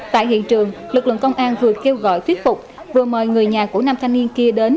tại hiện trường lực lượng công an vừa kêu gọi thuyết phục vừa mời người nhà của nam thanh niên kia đến